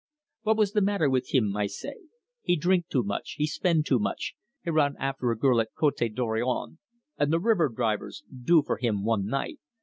'What was the matter with him?' I say. 'He drink too much, he spend too much, he run after a girl at Cote Dorion, and the river drivers do for him one night.